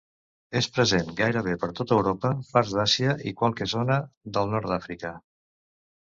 És present gairebé per tot Europa, parts d'Àsia i qualque zona del nord d'Àfrica.